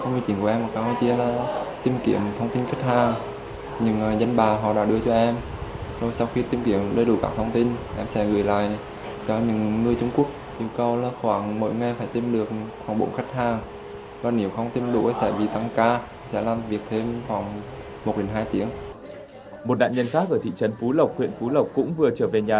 một nạn nhân khác ở thị trấn phú lộc huyện phú lộc cũng vừa trở về nhà